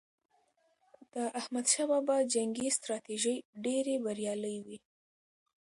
د احمد شاه بابا جنګي ستراتیژۍ ډېرې بریالي وي.